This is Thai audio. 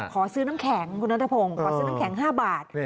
ขอซื้อน้ำแข็งคุณนัทพงศ์ขอซื้อน้ำแข็ง๕บาท